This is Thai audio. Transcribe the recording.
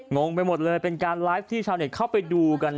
งงไปหมดเลยเป็นการไลฟ์ที่ชาวเน็ตเข้าไปดูกัน